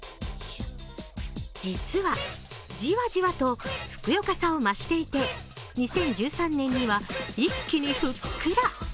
実は、じわじわとふくよかさが増していて２０１３年には一気にふっくら。